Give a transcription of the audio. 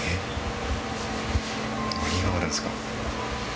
何があるんですか？